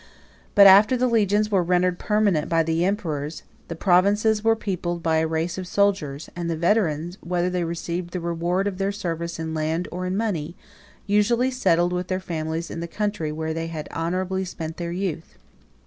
But after the legions were rendered permanent by the emperors, the provinces were peopled by a race of soldiers; and the veterans, whether they received the reward of their service in land or in money, usually settled with their families in the country, where they had honorably spent their youth.